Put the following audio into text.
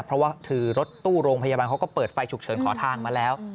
เพราะว่าถือรถตู้โรงพยาบาลเขาก็เปิดไฟฉุกเฉินขอทางมาแล้ว